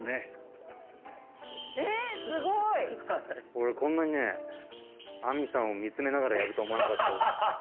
俺こんなにね亜美さんを見つめながらやると思わなかった。